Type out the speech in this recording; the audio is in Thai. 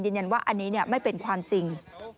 ยืนยันว่าอันนี้ไม่เป็นความจริง